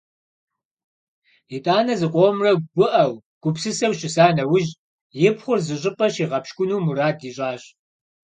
ИтӀанэ, зыкъомрэ гуӀэу, гупсысэу щыса нэужь, и пхъур зыщӀыпӀэ щигъэпщкӀуну мурад ищӀащ.